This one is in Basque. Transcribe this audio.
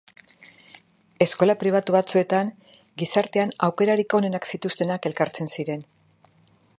Eskola pribatu batzuetan gizartean aukerarik onenak zituztenak elkartzen ziren.